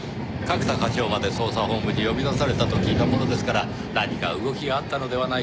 角田課長まで捜査本部に呼び出されたと聞いたものですから何か動きがあったのではないかと。